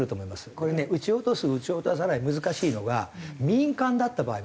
これね撃ち落とす撃ち落とさない難しいのが民間だった場合は大変な事になるんですよ。